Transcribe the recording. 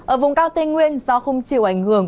ở vùng cao tây nguyên do không chịu ảnh hưởng